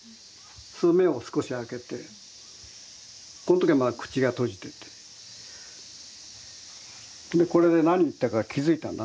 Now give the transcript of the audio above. それで目を少し開けてこの時はまだ口が閉じててこれで何言ったか気付いたんだね。